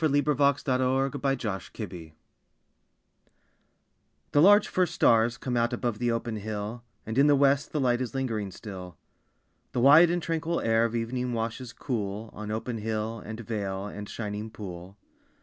Other Poems An Evening Communion The large first stars come out Above the open hill, And in the west the light Is lingering still. The wide and tranquil air Of evening washes cool On open hill, and vale, And shining pool.